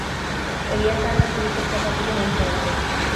Egia esan, sneakers zapatilen antza dute.